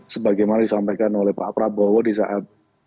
sebagaimana disampaikan oleh pak prabowo di saat